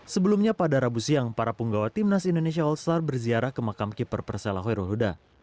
sebelumnya pada rabu siang para penggawa tim nasional indonesia all star berziarah ke makam keeper persela hoi rul huda